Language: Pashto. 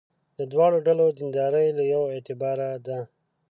د دواړو ډلو دینداري له یوه اعتباره ده.